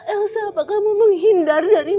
elsa apa kamu menghindar dari mama nak